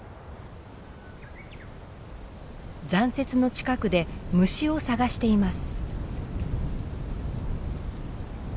残雪の近くで虫を探しています。